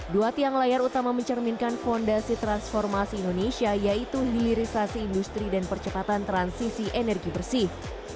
dua tiang layar utama mencerminkan fondasi transformasi indonesia yaitu hilirisasi industri dan percepatan transisi energi bersih